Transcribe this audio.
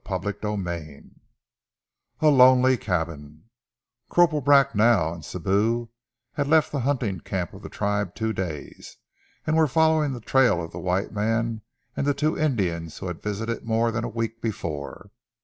CHAPTER XVII A LONELY CABIN CORPORAL BRACKNELL and Sibou had left the hunting camp of the tribe two days and were following the trail of the white man and the two Indians who had visited it more than a week before.